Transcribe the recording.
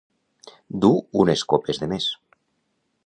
Dur unes copes de més.